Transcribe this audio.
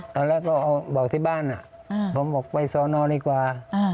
ตอนแรกก็เอาบอกที่บ้านผมบอกไปสอนอดีกว่า